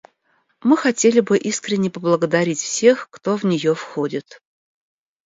Мы хотели бы искренне поблагодарить всех, кто в нее входит.